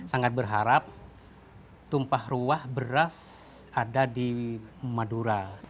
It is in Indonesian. sangat berharap tumpah ruah beras ada di madura